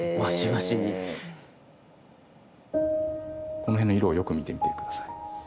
この辺の色をよく見てみて下さい。